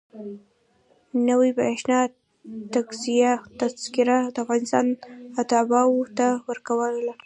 نوې برېښنایي تذکره د افغانستان اتباعو ته ورکول کېږي.